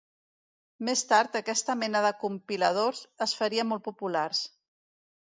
Més tard aquesta mena de compiladors es farien molt populars.